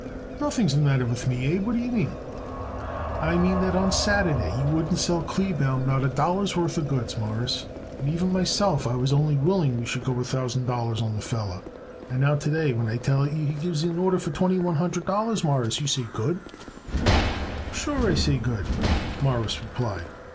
"Nothing's the matter with me, Abe. What d'ye mean?" "I mean that on Saturday you wouldn't sell Kleebaum not a dollar's worth of goods, Mawruss, and even myself I was only willing we should go a thousand dollars on the feller, and now to day when I tell it you he gives us an order for twenty one hundred dollars, Mawruss, you say, 'good'." "Sure, I say, 'good'," Morris replied.